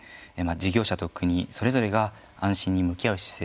事業者と国それぞれが安心に向き合う姿勢